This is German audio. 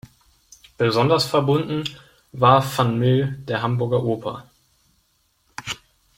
Besonders verbunden war van Mill der Hamburger Oper.